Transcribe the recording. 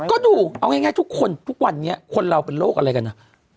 ก็ดูเอาง่ายทุกคนทุกวันนี้คนเราเป็นโรคอะไรกันอ่ะ